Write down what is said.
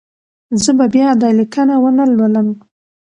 زه به بیا دا لیکنه ونه لولم.